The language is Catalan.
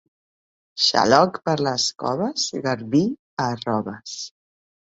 Xaloc per les coves, garbí a arroves.